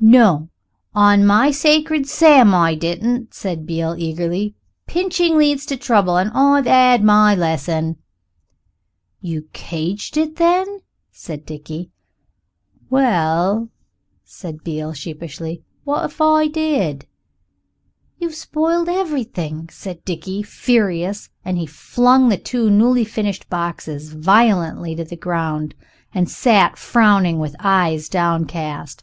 "No on my sacred sam, I didn't," said Beale eagerly; "pinching leads to trouble. I've 'ad my lesson." "You cadged it, then?" said Dickie. "Well," said Beale sheepishly, "what if I did?" "You've spoiled everything," said Dickie, furious, and he flung the two newly finished boxes violently to the ground, and sat frowning with eyes downcast.